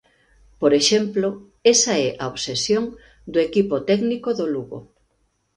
Por exemplo, esa é a obsesión do equipo técnico do Lugo.